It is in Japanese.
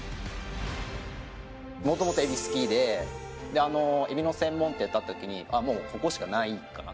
もともとエビ好きでエビの専門店建った時にああもうここしかないかな。